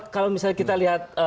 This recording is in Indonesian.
kalau misalnya kita lihat